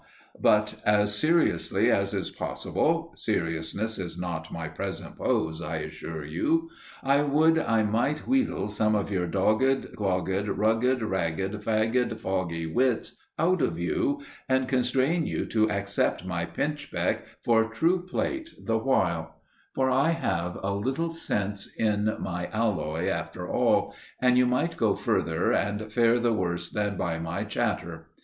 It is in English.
But as seriously as is possible (seriousness is not my present pose, I assure you), I would I might wheedle some of your dogged, clogged, rugged, ragged, fagged, foggy wits out of you, and constrain you to accept my pinchbeck for true plate the while; for I have a little sense in my alloy, after all, and you might go further and fare the worse than by my chatter.